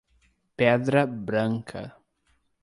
Pedra Branca